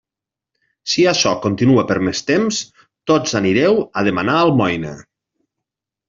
Si açò continua per més temps, tots anireu a demanar almoina.